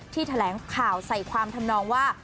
แถลงข่าวใส่ความทำนองว่า